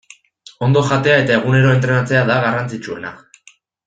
Ondo jatea eta egunero entrenatzea da garrantzitsuena.